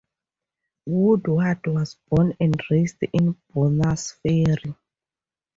Woodward was born and raised in Bonners Ferry.